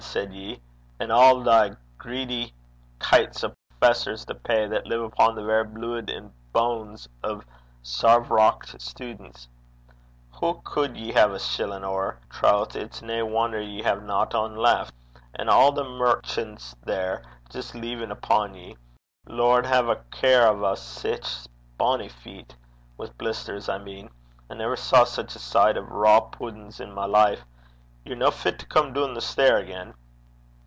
said ye? An' a' thae greedy gleds (kites) o' professors to pay, that live upo' the verra blude and banes o' sair vroucht students! Hoo cud ye hae a shillin' ower? Troth, it's nae wonner ye haena ane left. An' a' the merchan's there jist leevin' upo' ye! Lord hae a care o' 's! sic bonnie feet! Wi' blisters I mean. I never saw sic a sicht o' raw puddin's in my life. Ye're no fit to come doon the stair again.'